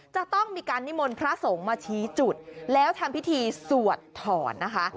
จะต้องมีการนิมนต์พระสงฆ์มาชี้จุดแล้วทำพิธีสวดถอนนะคะ